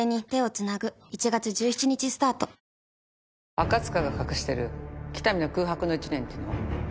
赤塚が隠してる喜多見の空白の１年っていうのは？